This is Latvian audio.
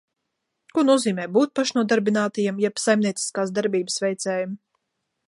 Ko nozīmē būt pašnodarbinātajam jeb saimnieciskās darbības veicējam?